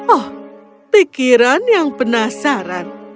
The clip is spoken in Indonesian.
oh pikiran yang penasaran